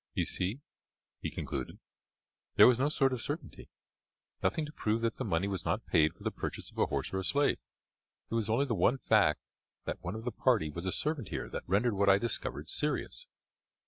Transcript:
"You see," he concluded, "there was no sort of certainty, nothing to prove that the money was not paid for the purchase of a horse or slave. It was only the one fact that one of the party was a servant here that rendered what I discovered serious.